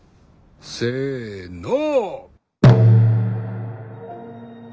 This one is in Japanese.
せの！